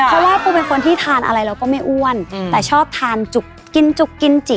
เพราะว่าปูเป็นคนที่ทานอะไรเราก็ไม่อ้วนแต่ชอบทานจุกกินจุกกินจิก